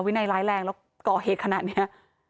วินัยร้ายแรงแล้วก่อเหตุขนาดนี้